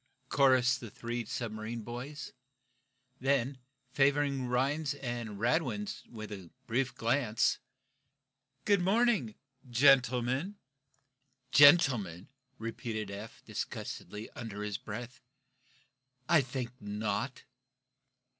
chorused the three submarine boys. Then, favoring Rhinds and Radwin with brief glances: "Good morning gentlemen!" "Gentlemen?" repeated Eph, disgustedly, under his breath. "I think not!"